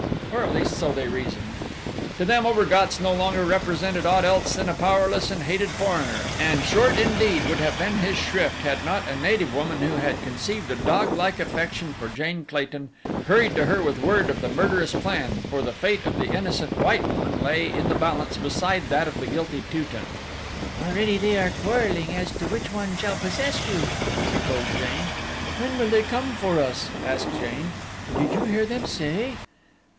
Or at least, so they reasoned. To them Obergatz no longer represented aught else than a powerless and hated foreigner, and short indeed would have been his shrift had not a native woman who had conceived a doglike affection for Jane Clayton hurried to her with word of the murderous plan, for the fate of the innocent white woman lay in the balance beside that of the guilty Teuton. "Already they are quarreling as to which one shall possess you," she told Jane. "When will they come for us?" asked Jane. "Did you hear them say?"